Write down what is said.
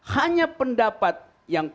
hanya pendapat yang